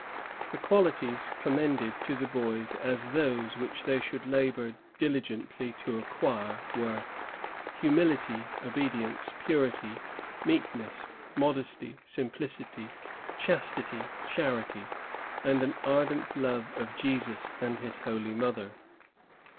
The qualities commended to the boys as those which they should labor diligently to acquire were "humility, obedience, purity, meekness, modesty, simplicity, chastity, charity, and an ardent love of Jesus and his Holy Mother."